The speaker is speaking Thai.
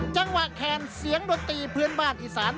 จังหวะแขทเสียงดนตรีเพือนบ้านอิสาน